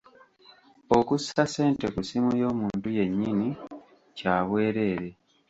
Okussa ssente ku ssimu y'omuntu yennyini kya bwereere.